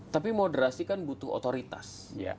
tapi moderasi kan butuh otoritas